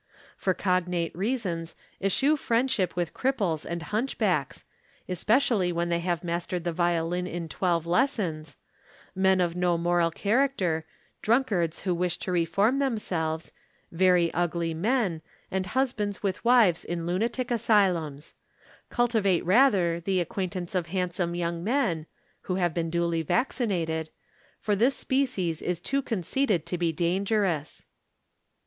For cognate reasons eschew friendship with cripples and hunchbacks (especially when they have mastered the violin in twelve lessons), men of no moral character, drunkards who wish to reform themselves, very ugly men, and husbands with wives in lunatic asylums. Cultivate rather the acquaintance of handsome young men (who have been duly vaccinated), for this species is too conceited to be dangerous.